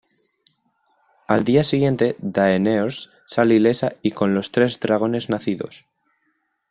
Al día siguiente Daenerys sale ilesa y con los tres dragones nacidos.